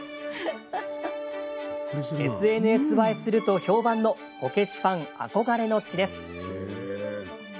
ＳＮＳ映えすると評判のこけしファン憧れの地です。